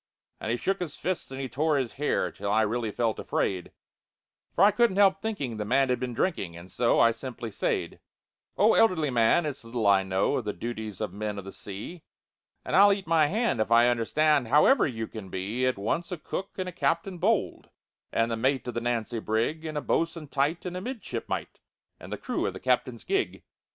And he shook his fists and he tore his hair, Till I really felt afraid, For I couldn't help thinking the man had been drinking, And so I simply said: "Oh, elderly man, it's little I know Of the duties of men of the sea, And I'll eat my hand if I understand How you can possibly be "At once a cook, and a captain bold, And the mate of the Nancy brig, And a bo'sun tight, and a midshipmite, And the crew of the captain's gig."